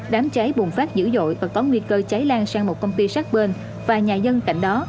đám cháy bùng phát dữ dội và có nguy cơ cháy lan sang một công ty sát bên và nhà dân cạnh đó